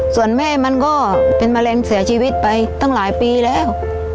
ส่วนแม่มันก็เป็นมะเร็งเสียชีวิตไปตั้งหลายปีแล้ว